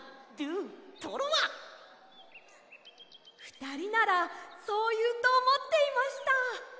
ふたりならそういうとおもっていました。